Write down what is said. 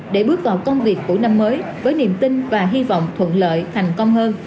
để bước vào công việc của năm mới với niềm tin và hy vọng thuận lợi thành công hơn